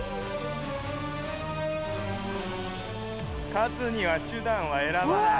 勝つには手だんはえらばない。